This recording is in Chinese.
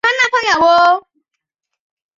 加茂市为一位于日本新舄县中部的城市。